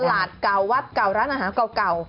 เก่าวัดเก่าร้านอาหารเก่า